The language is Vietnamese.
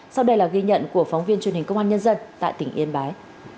sau đây là ghi nhận của phóng viên truyền hình công an nhân dân tại tỉnh yên bái